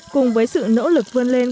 cùng với sự nỗ lực vươn lợi